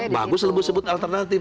bagus lebih disebut alternatif